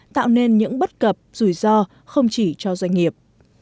tạo nên những bất cập rủi ro không chỉ cho doanh nghiệp